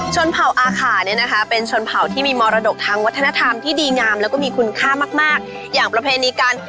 เผ่าอาขาเนี่ยนะคะเป็นชนเผ่าที่มีมรดกทางวัฒนธรรมที่ดีงามแล้วก็มีคุณค่ามากอย่างประเพณีการ